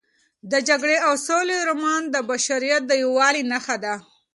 د جګړې او سولې رومان د بشریت د یووالي نښه ده.